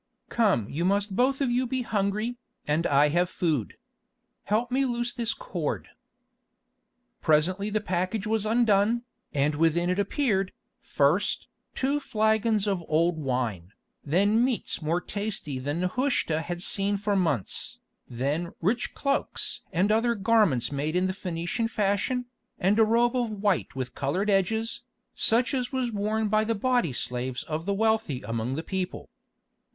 Come, you must both of you be hungry, and I have food. Help me loose this cord." Presently the package was undone, and within it appeared, first, two flagons of old wine, then meats more tasty than Nehushta had seen for months, then rich cloaks and other garments made in the Phœnician fashion, and a robe of white with coloured edges, such as was worn by the body slaves of the wealthy among that people.